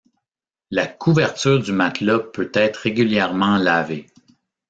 La couverture du matelas peut être régulièrement lavée.